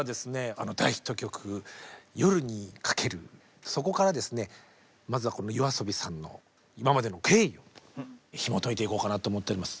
あの大ヒット曲「夜に駆ける」そこからですねまずはこのＹＯＡＳＯＢＩさんの今までの経緯ひもといていこうかなと思っております。